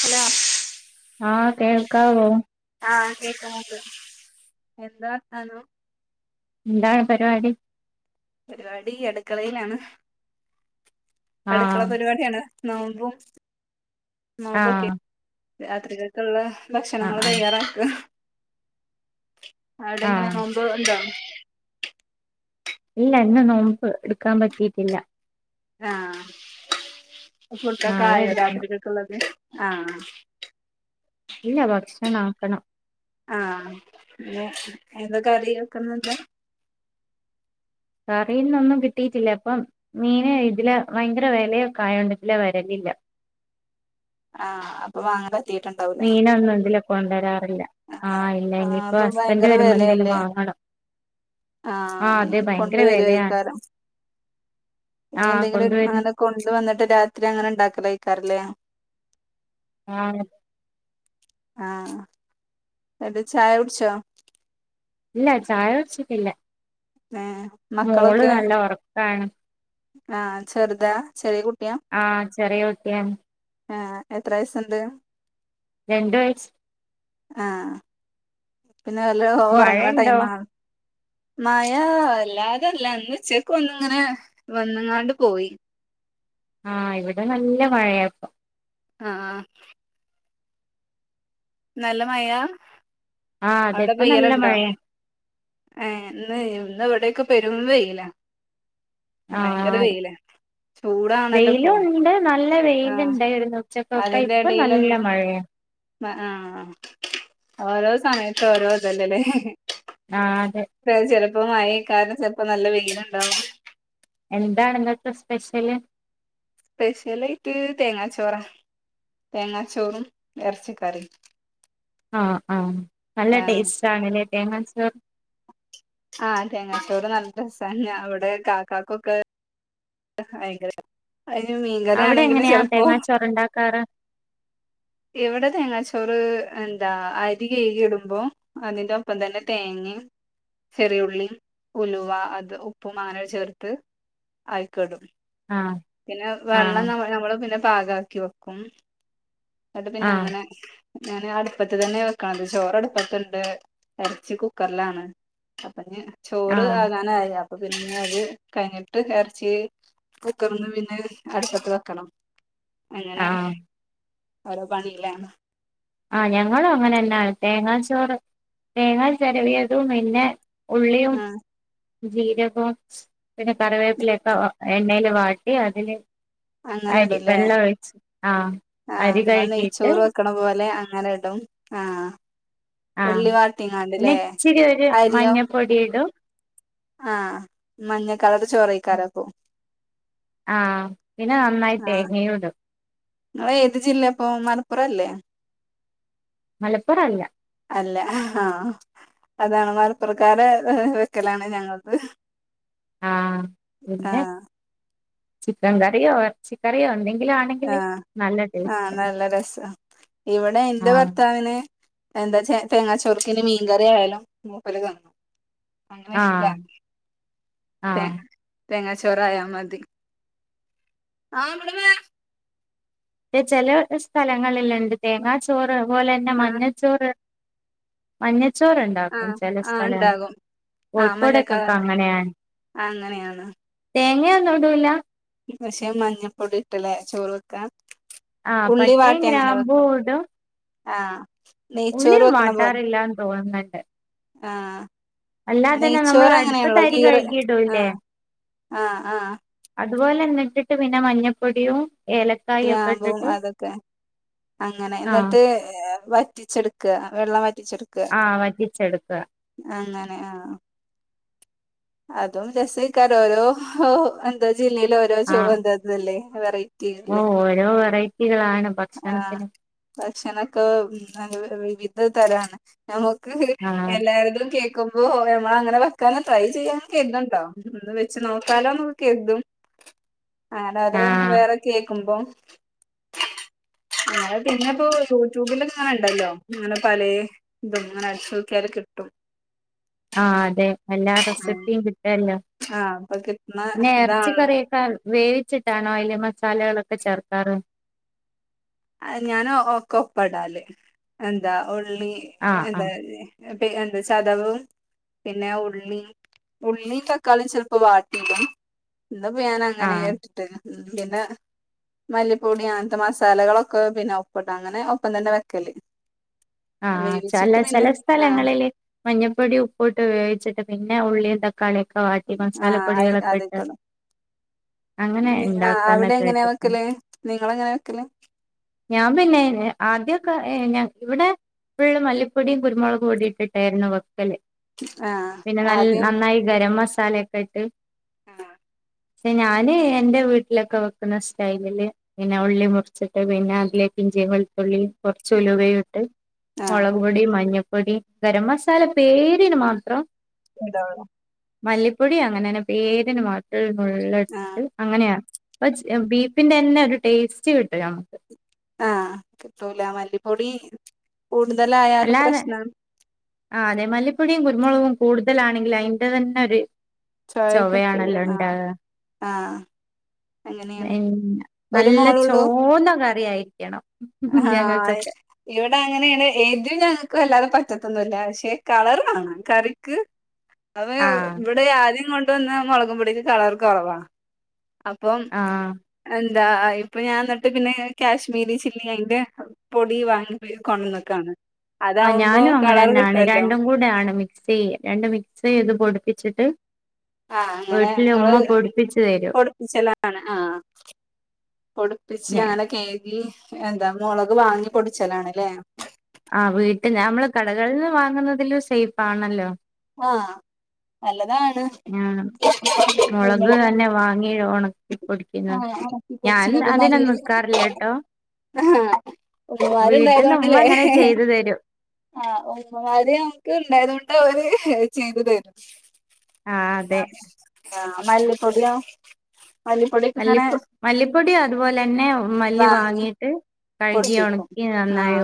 Hello ആ കേൾക്കാവോ ആആ കേക്ക ണ്ട് എന്താ വർത്താനം എന്താണ് പരിപാടി പരിപാടീ അടുക്കളയിലാണ് അടുക്കള ആഹ് പരിപാടിയാണ് നോബും നോമ്പോക്കെ ആഹ് രാത്രികൾക്കുള്ള ആഹ് ഭക്ഷണങ്ങള് ആഹ് തയ്യാറാക്കുവാ അവിടെ എങ്ങനെയാ ആഹ് നോമ്പ് ഇണ്ടോ ഇല്ല ഇന്ന് നോമ്പ് ഇടുക്കാൻ പറ്റീട്ടില്ല ആഹ് ഫുഡൊക്കേ നാളെ ആയോ എടുക്കണം രാത്രിതേകൊള്ളത് ആ ആ ഇല്ല ഭക്ഷണാക്കണം ആഹ് പി ഏതൊക്കെ കറി വെക്കുന്നുണ്ട് കറിയിന്നൊന്നും കിട്ടിയിട്ടില്ല പ്പം മീന് ഇതിലെ ഭയങ്കര വെലയൊക്കെ ആയോണ്ട് ഇതിലെ വരല് [unintelligible] ഇല്ല ആഹ് അപ്പൊ വാങ്ങല് മീനൊന്നും ഇതിലെ കൊണ്ടരാറില്ല ആഹ് ഇല്ല ആഹ് ഇനിയിപ്പോ അപ്പൊ ഹസ്ബൻഡ് ഭയങ്കര വരുമ്പോന്ടെലും വിലയല്ലേ വാങ്ങണം ആഹ് ഇനി അതെ ഭയങ്കര വെലയാണ് കൊണ്ടുവരുവായിക്കാരം ഇനി എന്തെങ്കിലും അങ്ങനെ കൊണ്ടുവന്നിട്ട് രാത്രി അങ്ങനെ ഉണ്ടാക്കലായി തല്ലേ ആ ആ എന്നട്ട് ചായ കുടിച്ചോ? ഇല്ല ചായ വെച്ചിട്ടില്ല ഏ മോള് മക്കളൊക്കെ നല്ല ഉറക്കാണ്. ആ ചെറുതാ ചെറിയ കു ആ ചെറിയ കുട്ടിയ ആ എത്ര വയസുണ്ട്? രണ്ട് വയസ് പിന്നെ നല്ല ഉറങ്ങണ ടൈം ആണ് മയ അല്ലാതല്ല ഇന്നുച്ചക്ക് ഒന്ന്‌ ഇങ്ങനെ വന്നങ്ങാണ്ട് പോയി. ആ ഇവിടെ നല്ല മഴയപ്പോ. ആ നല്ല മായാ? ആഹ് അതെ അവിടെ ഇപ്പ നല്ല പെയ്യലുണ്ടോ മഴയാ ഏ ഇന്ന് ഇന്ന്- എവിടൊക്കെ പെരും വെയില. ഭയങ്കര വെയില. വെയിലുണ്ട് നല്ല ആ വെയിലൂണ്ട് ഇന്നു ഉച്ചക്കൊക്കെ അതിന്റെ ഇപ്പൊ നല്ല എടയിലുള്ള മഴയാണ്. ആ ഓരോ സമയത്തെ ഓരോ ഇതല്ലേ ലോ ആ അതെ. പ്പ മഴ ആയ കാരം. ചെലപ്പോ നല്ല വെയിലുണ്ടാവും. എന്താണ് ഇന്നത്തെ സ്പെഷ്യല്? സ്പെഷ്യൽ ആയിട്ട് തേങ്ങാച്ചോറ്. തേങ്ങാച്ചോറും ഇറച്ചിക്കറി ആഹ ആഹ നല്ല ടേസ്റ്റ് ആണല്ല ഫേമസ് ആ തേങ്ങാചോർ നല്ല രസാണ് ഇവിടെ കാക്കാക്കൊക്കെ [unintelligible] ഭയങ്കര [unintelligible] [unintelligible] മീൻകറി അവിടെ ആണെങ്കിലും എങ്ങനെയാ ചെലപ്പോ തേങ്ങാച്ചോറ് ഉണ്ടാക്കാറ് എവിടെ തേങ്ങാച ചോറ് എന്താ അരി കഴുകി ഇടുമ്പോ അതിന്റെ ഒപ്പം തന്നെ തേങ്ങിമ് ചെറിയുള്ളി ഉലുവ അത് ഉപ്പുമാന ചേർത്ത് ആയക്കിടും ആഹ് പിന്നെ ആഹ് വെള്ളം നമ്മ നമ്മള് പിന്നെ പാകക്കി വെക്കും എന്നട്ട് പിന്നെ ആഹ് അങ്ങനെ ഞാൻ അടുപ്പത്ത് തന്നെ വെക്കണ അത് ചോറ് അടുപ്പത്തുണ്ട് ഇറച്ചി കുക്കറിലാണ് അപ്പൊ ചോറ് ആഹ് ആകാനായി അപ്പൊ പിന്നെ അത് കഴിഞ്ഞിട്ട് ഇറച്ചി [unintelligible] പിന്നെ അടുപ്പത്തു വെക്കണം അങ്ങനെ ആഹ് ഓരോ പണിലാണ് ആ ഞങ്ങളും അങ്ങനെന്ന തേങ്ങാ ചോറ് തേങ്ങാ ചെരവിയതും പിന്നെ ഉള്ളിയും ആഹ് ജീരകവും പിന്നെ കറിവേപ്പിലൊക്കെ എണ്ണയില വാട്ടി അതിന് അങ്ങനെ അരി ഇടുംല്ലേ വെള്ള ഒഴിച്ചു ആ ആഹ് അരി നിങ്ങൾ കഴുകിട്ട് നെയ്ച്ചോറ് വെക്കണ [unintelligible] ഇടും ആ ആഹ് ഉള്ളി പിന്നെ വാട്ടിങ്ങാണ്ടല്ലേ ഇച്ചിരി ഒരു അരിയോ മഞ്ഞപ്പൊടി ഇടും ആ മഞ്ഞകളറു ചോറ കഴിക്കലാപ്പൊ ആ പിന്നെ നന്നായി ആഹ് തേങ്ങയുമിടും നിങ്ങള് ഏത് ജില്ലപ്പൊ മലപ്പുറ അല്ലേ? മലപ്പുറം അല്ല അല്ല ആ അതാണ് മലപ്പുറക്കാര വെക്കലാണ് ഞങ്ങക്ക് ആ പിന്നെ ചിക്കൻ കറിയോ ഇറച്ചിക്കറിയോ ഉണ്ടെങ്കി ആ ആ നല്ല രസ ഇവിടെ എന്റെ ആഹ് ഭർത്താവിന് എന്താ ച തേങ്ങാ ചോറിന് മീൻകറി ആയാലും മൂപ്പര് തിന്നും [unintelligible] ഇഷ്ട ആഹ് തേ ആഹ് തേങ്ങാച്ചോറ ആയാാ മതി ചെല സ്ഥലങ്ങളില്ണ്ട് തേങ്ങാച്ചോറ് അതുപോലെന്നെ ആഹ് മഞ്ഞച്ചോറ് മഞ്ഞച്ചോർണ്ടാക്കും ആഹ് ചില ആ സ്ഥല ഉണ്ടാകും ആ കോഴിക്കോടൊക്കൊക്കെ മഞ്ഞക്കളർ അങ്ങനെയാണ് അങ്ങനെയാണ് തേങ്ങയൊന്നുടൂലാ പക്ഷെ മഞ്ഞപ്പൊടി ഇട്ടല്ലേ ചോറ് വെക്കാ ആ പട്ടയും ഗ്രാമ്പൂടും ആ നെയ്ച്ചോറ് വെക്കണ പോലെ വാട്ടാറില്ലാന്ന് തോന്നുന്നുണ്ട് ആ അല്ലാതെ തന്നെ നമ്മൾ നെയ്ച്ചോർ അടുപ്പത്ത് അങ്ങനെയണല്ലോ അരി ഗീറ് ആ കഴുകിയിടൂല്ലേ ആ ആ അതുപോലെന്നിട്ടിട്ട് പിന്നെ മഞ്ഞപ്പൊടിയും ഏലക്കായും ഒക്കെ ഗ്രാമ്പുവും ഇട്ടിട്ട് അതൊക്കെ അങ്ങനെ ആഹ് എന്നിട്ട് വറ്റിച്ചെടുക്ക വെള്ളം വറ്റിച്ചെടുക്ക ആഹ് വറ്റിച്ചെടുക്കുക അങ്ങനെ ആ അതും രസയിക്കാരോ ഓരോ എന്താ ജില്ലയില് ഓരോ ചോ എന്താ ഇതല്ലേ വെറൈ ഓ ഓരോ വെറൈറ്റികളാണ് ആ ഭക്ഷണത്തിന് ഭക്ഷണക്കെ വിവിധ തരാണ് നമുക്ക് ആഹ് എല്ലാവര്തും കേ ക്കുമ്പോ ഞമ്മളങ്ങനെവെക്കണം ട്രൈചെയ്യാണം കെര്തുണ്ടോ ഒന്ന് വെച്ച് നോക്കാലോന്ന് കെര്തും ആനത് ആഹ് വേറെ കേക്കുമ്പോം അ പിന്നെ ഇപ്പോ യൂറ്റൂബിലിങ്ങനെണ്ടല്ലോ അങ്ങനെ പലേഇതും ങ്ങനെ അടിച്ചോക്കിയാല് കിട്ടും ആ അതെ എല്ലാ റെസിപ്പിയും കിട്ടുഅല്ലോ ആഹ് അപ്പൊ കിട്ടുന്ന പിന്നെ എറച്ചി ഇതാണല്ലോ കറിയൊക്കെ വേവിച്ചിട്ടാണോ എ മസാലകളൊക്കെ ചേർക്കാറ് ആ ഞാനൊ ഒകൊപ്പടല് എന്താ ഉള്ളി ആഹ് എന്താ ആഹ് പി എന്തചതവും പിന്നെ ഉള്ളി ഉള്ളി തക്കാളി ചെൽപ്പോവാട്ടിടും ഇന്ന്പ്പോ ആഹ് ഞാനങ്ങനെയിട്ടിട്ട് പിന്നെ മല്ലിപ്പൊടി അങ്ങൻത്തെ മസാലകളൊ ക്കെ പിന്നെ ഒപ്പട അങ്ങനെ ഒപ്പംതന്നെ വെക്കല് ആ വേവിച്ചിട്ട് ചല ചെല പിന്നെ ആഹ് സ്ഥലങ്ങളില് മഞ്ഞപ്പൊടി ഉപ്പൂട്ട് വേവിച്ചിട്ട് പിന്നെ പിന്നെ ഉള്ളിയും തക്കാളിയൊക്കെവാട്ടി മസാലപ്പൊടികളൊക്കെ ഇട്ട് അങ്ങനെ ഉണ്ടാക്കാന്നൊക്കെ അവിടെങ്ങനെയാ കേട്ടിട്ടുണ്ട് വെക്കല് നിങ്ങളെങ്ങനെയ വെക്കല് ഞാൻ പിന്നെ ആദ്യം ക്കെ ഞ ഇവിടെ ഫുള്ള് മല്ലിപ്പൊടിയും കുരുമുളക് പൊടിയുട്ടിട്ടായിരുന്നു വെ ക്കല് ആഹ് പിന്നെ നൽ ആദ്യം നന്നായി ഗരമസാലൊക്കെഇട്ട് ആ ക്ഷെ ഞാന് എന്റെ വീട്ടിലൊക്കെ വെക്കുന്ന സ്റ്റൈലില് പിന്നെ ഉള്ളി മുറിച്ചിട്ട് പിന്നെ അതിലേക്ക് ഇഞ്ചിയും വെളുതുള്ളി കൊറച്ചുലുവയുട്ട് ആഹ് മൊളക് പൊടിയും മഞ്ഞപ്പൊടി ഗരമസാല പേരിന് മാത്രം ഇതാണ് മല്ലിപ്പൊടി അങ്ങനെന്നെ പേരിന് മാത്രേ ആഹ് നുള്ളിട്ട് അങ്ങനെയാ അ ബീഫിന്റെന്നെ ഒരു ടേസ്റ്റ്കിട്ടു നമ്മക്ക് ആ കിട്ടൂല മല്ലിപ്പൊടി കൂടുതലായാലും അല്ലാതെ പ്രശ്നാണ് ആ അതെ മല്ലിപ്പൊടിയും കുരുമുളകും കൂടു തലാണെങ്കിൽ അയിന്റെതെന്നെ ഒര് ചൊയ കിട്ടൂല ആഹ് ചൊവയാണല്ലണ്ടാവ ആഹ് അങ്ങനെയാണ് പിന്നെ ഒരു നല്ല ചോന്നകറിയായിരിക്കണം ആ ഇവിടങ്ങനെയാണ് ഏ രു ഞങ്ങക്ക് വല്ലാതെ പറ്റത്തൊന്നുല്ല പക്ഷെ കളറ് വേണം കറിക്ക് അത് ആ ഇവിടെ ആദ്യം കൊണ്ടവന്ന മൊളകുംപൊടിക്ക് കളർകുറവാ അപ്പം ആ എ ന്താ ഇപ്പൊ ഞാൻന്നട്ട്പിന്നെ കാശ്മീരിചില്ലി അയിന്റെ പൊടി വാങ്ങി കൊണ്ടന്ന്ക്കാണ് ആ ഞാനും അങ്ങനെന്നാണ് രണ്ടും കൂടെയാണ് മിക്സ് ചെയ രണ്ടും മിക്സ് ചെയ്ത് പൊടിപ്പിച്ചി ആ അങ്ങനെ ഇങ്ങള് പൊടിപ്പിച്ചു തരും പൊടുപ്പിച്ചലാണ് ആ പൊടിപ്പിച്ച് ഞ- അങ്ങനെ കഴ്കി എന്താ മുളക് വാങ്ങി പൊടിച്ചലാണ്ലേ ആ വീട്ടില മ്മള് കടകൾന്ന് വാങ്ങുന്നതിലും സെയ്ഫാണല്ലോ ആ നല്ലതാണ് ആ മുളക് നമ്മള് തന്നെ വാങ്ങി ഉണക്കിപ്പൊടിക്കുന്നത് ആഹ് ഇറക്കി ഞാൻ അതിന് നിക്കാറില്ലട്ടോ അഹ വീട്ടിൽന്ന് ഉമ്മ ഉമ്മമ്മാര്ണ്ടായതൊണ്ടല്ലേ അങ്ങനെ ചെയ്തു തരും ആ ഉമ്മമാര് നമുക്ക്ണ്ടായതോണ്ട് ഓര് ചെയ്തുതരും ആ അതെ ആ മല്ലി പൊടിയോ മല്ലിപ്പൊ മല്ലിപ്പൊടി അത്പോലെന്നെ മല്ലി വാങ്ങിട്ട് പൊടുച്ചിക്കും ആഹ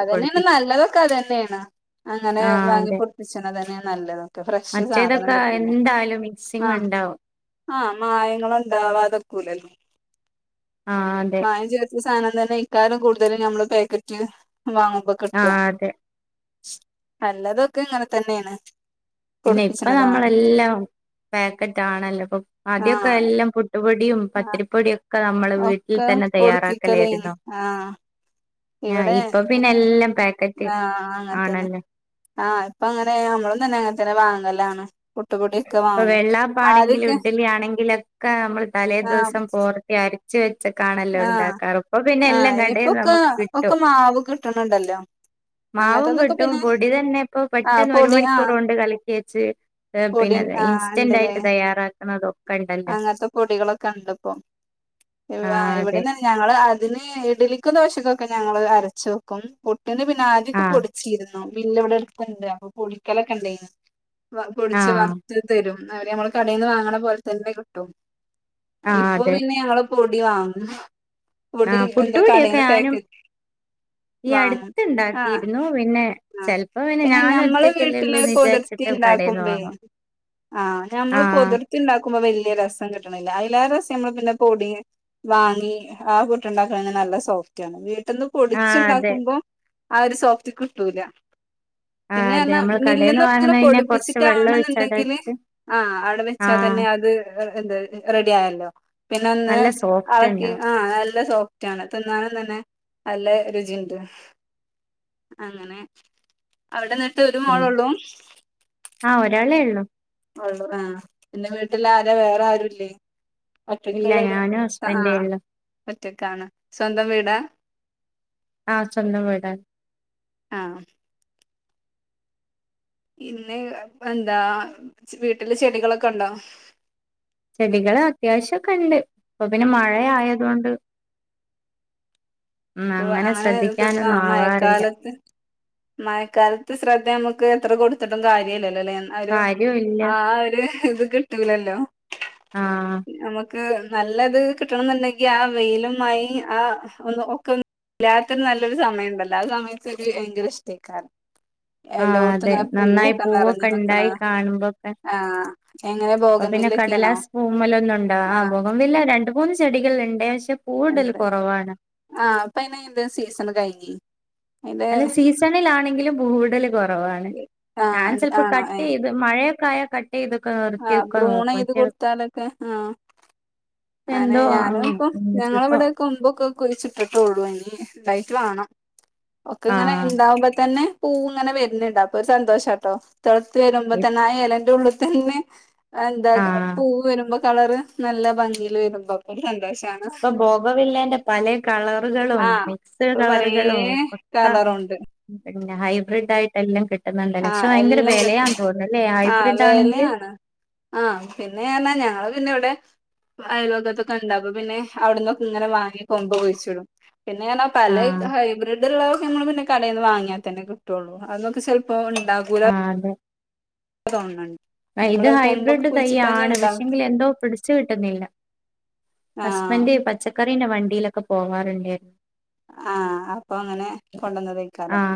അതന്നെണ് പൊടിപ്പിച്ച് നല്ലതൊക്കെ അത് തന്നെയാണ് അങ്ങനെ ആ വാങ്ങി അതെ പൊടുപ്പിച്ച് ണതന്നെയ ന നല്ലതൊക്കെ ഫ്രഷ് സാധനം മറ്റേതൊക്കെ കിട്ടൂല്ലേ എന്തായാലും ആ മിക്സിങ് ഉണ്ടാവും ആ മായങ്ങളുണ്ടാവാതൊക്കൂലല്ലോ ആഹ അതെ ഈ സാധനം തന്നെ ഇക്കാലം കൂടുതലും നമ്മള് പാക്കറ്റ് വാങ്ങുമ്പോ ആ കിട്ടുക അതെ നല്ലതൊക്കെ ഇങ്ങനെ തന്നെയാണ് പിന്നെ ഇപ്പ പൊടിപ്പിച്ചണതാണ് നമ്മളെല്ലാം പാക്കറ്റ് ആണല്ലോ ഇപ്പൊ ആദ്യൊക്കെ ആഹ് എല്ലാം പുട്ട്പൊടി ടിയും ആ പത്തിരിപ്പൊടിയൊക്കെ നമ്മള് വീട്ടിൽ ഒക്കെ തന്നെ പൊടിപ്പിക്കലേനി തയ്യാറാക്കലായിരുന്നു ആഹ് ആ ഇവിടെ ഇപ്പൊ പിന്നെ എല്ലാം പാക്കറ്റ് ആഹ് അങ്ങൻത്തന്നെ ആണല്ലേ ആഹ് ഇപ്പൊ അങ്ങനെ നമ്മളും തന്നെ അങ്ങനത്തന്നെ വാങ്ങലാണ് പുട്ട് പൊടിയൊക്കെ ഇപ്പൊ വാങ്ങും വെള്ളാപ്പാണെങ്കിലും ആദ്യക്കെ ഇഡ്ഡലി ആണെങ്കിലൊക്കെ നമ്മൾ ആഹ പച്ച ക്കാണല്ലോ ഉണ്ടാക്കാറ് ഇപ്പൊ പിന്നെ എല്ലാം ആഹ് കടേന്നു ഇപ്പൊക്കെ നമക്ക് ഒക്കെ കിട്ടും മാവ് കിട്ടണ് ണ്ടല്ലോ മാവും അങ്ങൻത്തതൊക്കെ കിട്ടും പിന്നെ പൊടി തന്നെ ഇപ്പൊ ആഹ് പെട്ടെന്ന് ഒരു പൊടി ആഹ് മണിക്കൂറോണ്ട് കലക്കി വെച്ച് ഏഹ് പിന്നല്ലെ ഇൻസ്റ്റന്റ് ആയിട്ട് തയ്യാറാക്ക അങ്ങനത്തെ പൊടികളൊക്കെണ്ട്പ്പോ ആ ഇവിടെന്ന ഞങ്ങള് അതിന് ഇഡ്ഡലിക്കും ദോശകൊക്കെ ഞങ്ങള് അരച്ചു വെക്കും പുട്ടിനു പിന്നെ ആ ആദ്യക്കെ പൊടിച്ചിര് ന്ന്‌ മില്ല് ഇവിടെ എടുത്തണ്ട് അപ്പൊ പൊടിക്കലൊക്കെ ഇണ്ടായിന് ആ പൊടിച്ച് വറുത്ത് തരും അവര് ഞമ്മൾ കടയിൽന്ന് വാങ്ങണ പോലെ തന്നെ കിട്ടും ആ ഇപ്പൊ അതെ പിന്നെ ഞങ്ങള് പൊടി വാങ്ങ ആ പൊടി എന്ത പുട്ടുപൊടിയൊക്കെ കടയില് ഞാനും പാക്കറ്റ് ഈ വാങ്ങും ആഹ അടുത്തുണ്ടാക്കിയിരുന്നു പിന്നെ ആ ചെലപ്പോ പിന്നെ ഞാൻ ഞമ്മള് ഒറ്റക്കല്ലേ വീട്ടില് ഉള്ളൂന്ന് കുതിർത് വിചാരിച്ചിട്ട് കടേന്ന് ഉണ്ടാക്കുമ്പേ വാങ്ങും ആഹ ആ ഞമ്മള് പൊതിർത്തി ഉണ്ടാകും വലിയ രസം കിട്ടണില്ല അതിലേറെ രസം നമ്മൾ പിന്നെ പൊടി വാങ്ങി ആ പുട്ട്ണ്ടാക്കണ നല്ല നല്ല സോഫ്റ്റ് ആണ് വീട്ടിൽന്ന് ആ അതെ പൊടിച്ചുണ്ടാക്കുമ്പോ ആ ഒരു സോഫ്റ്റ് കിട്ടൂല ആഹ് പിന്നെ അതെ എന്ന നമ്മള് കടേന്ന് മില്ലന്നൊക്കെ ഇങ്ങനെ വാങ്ങുന്നതിനെ കൊറച്ച് വെള്ളം പൊടിപ്പിച്ചിട്ടാണെന്നുണ്ടെങ്കില് ഒഴിച്ചടച്ച് ആഹ അവിടെ വെ വച്ചാൽ തന്നെ ആഹ് അത് എന്ത റെഡി ആയല്ലോ പിന്നെ ഒന്ന് നല്ല സോഫ്റ്റ് അളക്കി ഉണ്ടാവും ആ നല്ല സോഫ്റ്റ്‌ റ്റാണ് തിന്നാലും തന്നെ നല്ല രുചിണ്ട് അങ്ങനെ അവിടെ അ ഒരു പിന്നെ മോളോള്ളൂ ആഹ് ഒരാളേ ഉള്ളൂ ള്ള ആ പിന്നെ വീട്ടിൽ ആര വേറെ ആരുല്ലേ? ഇല്ല ഒറ്റക്കുള്ള ഞാനും ഹസ്ബൻഡേ ആഹ്.. ഉള്ളു ഒറ്റക്കാണ് സ്വന്തം വീടാ ആഹ്.. സ്വന്തം വീടാണ് ആഹ്.. പിന്നെ എന്താ വീട്ടില് ചെടികളൊക്കെ ഉണ്ടോ? ചെടികള് അത്യാവശ്യം ക്കെ ഉണ്ട് അപ്പൊ പിന്നെ മഴ ആഹ് ആയത് കൊണ്ട് ഓ അങ്ങനെ ആ ശ്രദ്ധിക്കാനൊന്നും ആവാറില്ല മഴക്കാലത്ത് മഴക്കാലത്ത് ശ്രദ്ധ നമുക്ക് എത്ര കൊടുത്തിട്ടും കാര്യല്ലല്ലോല്ലേ ഒരു കാര്യവും ഇല്ല ആ ഒരു ഇത് കിട്ടൂലല്ലോ...? ആഹ് നമുക്ക് നല്ലത് കിട്ടണന്ന്ണ്ടെങ്കി ആ വെയിലും മയീം ആഹ് ഒന്ന് ഒക്ക ഇല്ലാത്തിനും നല്ലൊരു സമയണ്ടല്ലോ ആ സമയത്തൊക്കെ ഭയങ്കര ഇഷ്ടയ്ക്കാരം ആഹ് എല്ലോട്ത്തും അതെ ഇങ്ങനെ നന്നായി പൂവൊക്കെ നിറഞ്ഞു ന്ക്കണ ഉണ്ടായി കാണുമ്പോക്കെ ആഹ് എങ്ങനെ പോക അപ്പൊ പിന്നെ കടലാസ് പൂവ്മ്മലൊന്നും ണ്ടാവും ആഹ് ബോകംവില്ല രണ്ട് മൂന്ന് ചെടികൾ ഇണ്ട് ഷേ ഇണ്ട് ആഹ് ഇപ്പയ്ന് ഈന്റെ സീസൺ കയിഞ്ഞ് അല്ല സീസണിലാണെങ്കിലും പൂവിടല് കൊറവാണ് ആ ഞാൻ ചെലപ്പോ കട്ട് ചെയ്ത് മഴ [inaudible] ആഹ് ബ്രൂണെയ്ത് കൊടുത്താലൊക്കെ ആഹ് അങ്ങനെ എന്തോ ഞാനും ആഹ് ഇപ്പം ഞങ്ങള ചെലപ്പോ ഇവിടെ കൊമ്പൊക്കെ കുയിച്ചിട്ടിട്ടൊള്ളൂ ഇനി വാണം ഒക്കെ ഇങ്ങനെ ആഹ് ഇണ്ടാവുമ്പോ തന്നെ പൂ ഇങ്ങനെ വെര്ണ് ണ്ട് അപ്പൊ ഒരു സന്തോഷാ ട്ടോ തെള്ത്ത് വെര്മ്പോ തന്നെ ആ എലന്റെ ഉള്ള്ത്തെന്നെ എന്താ ആഹ് പൂവ് വെരുമ്പോ കളറ് നല്ല ഭംഗിൽ വരുമ്പോ അപ്പൊരു സന്തോഷം ഇപ്പൊ ഭോഗൻവില്ലെന്റെ പലെ കളറുകളും ആഹ് മിക്സ്ഡ് ഇപ്പൊ പലേ കളറുകളും ഒക്ക കളറുണ്ട് പിന്ന ഹൈബ്രിഡ് ആയിട്ട് എല്ലം കിട്ട് പക്ഷെ ആഹ് ഭയങ്കര എല്ലാം വെലയാ കിട്ടും തോന്നുന്നു അല്ലേ ആഹ് ഹൈബ്രിഡ് ആണെങ്കില് വെലയാണ് ആഹ് പിന്നെറഞ്ഞ ഞങ്ങള് പിന്നെ ഇവിടെ അയൽവക്കത്തൊക്കെ ഇണ്ട് അപ്പൊപിന്നെ അവ്ടന്നൊക്കെ ഇങ്ങനെ വാങ്ങി കൊമ്പ് കുഴിച്ചിടും പിന്നെപറഞ്ഞ പലെ ആഹ് ഹൈബ്രിഡ് ഇള്ളതൊക്കെ നമ്മൾ പിന്നെ കടയിൽന്ന് വാങ്ങിയ തന്നെ കിട്ടൊള്ളൂ അതൊക്കെ ഇപ്പൊ ഉണ്ടാകൂല ആഹ് അതെ [inaudible] ഇത് നമ്മള് കൊമ്പൊക്കെ ഹൈബ്രിഡ് തൈ കുഴിച്ചിട്ടാഞ്ഞ ആണ് ഉണ്ടാവും പക്ഷെങ്കിൽ എന്തോ പിടിച്ച് കിട്ട്ന്നില്ല ആഹ് ഹസ്ബൻഡ് പച്ചക്കറീന്റെ വണ്ടീലൊക്കെ പോവാറ്ണ്ടേര്ന്നു ആഹ് അപ്പൊ അങ്ങനെ കൊണ്ടന്നതയ്ക്കാരം ആഹ്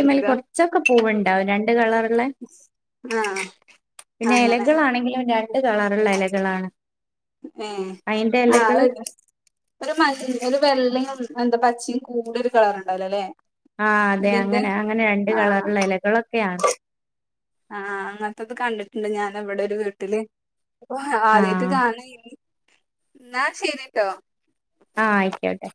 എന്താ ക്കെ പൂവുണ്ടാവും രണ്ട് കളറ്ള്ളെ ആഹ് പിന്നെ അങ്ങനെ എലകളാണെങ്കിലും ണ്ട് കളറ്ള്ള എലകളാണ് ഏഹ് ആഹ് ഒരു മ ഒരു വെള്ളെ എന്താ പ ച്ചീ കൂടൊരു കളറുണ്ടാവുലെ അങ്ങനെ ആഹ് അതെ അങ്ങനെ അങ്ങനെ രണ്ട് ആഹ് കളറ്ള്ളെ എലകളൊക്കെയാണ് ആഹ് അങ്ങൻത്തത് കണ്ടിട്ട്ണ്ട് ഞാൻ ഇവ്ടെ ഒരു വീട്ടില് അപ്പൊ ആ ആദ്യായിട്ട് കാണയ്ന് ന്നാ ശരിട്ടോ ആഹ് ആയിക്കോട്ടെ